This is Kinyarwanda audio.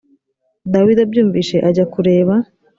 dawidi abyumvise ajya kureba